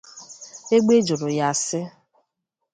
Egbe jụrụ ya sị